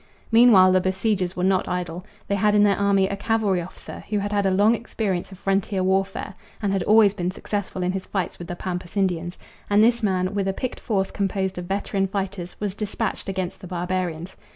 Meanwhile the besiegers were not idle: they had in their army a cavalry officer who had had a long experience of frontier warfare and had always been successful in his fights with the pampas Indians; and this man, with a picked force composed of veteran fighters, was dispatched against the barbarians.